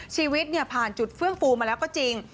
ชีวิตผ่านจุดเฟื่องฟูมาแล้วก็จริง